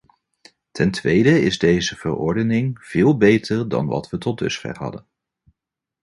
Ten tweede is deze verordening veel beter dan wat we tot dusver hadden.